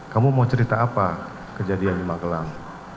kamu mau cerita apa kejadian di magelang